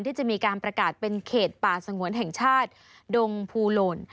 ที่จะมีการประกาศเป็นเขตป่าสงวนแห่งชาติดงภูโหลน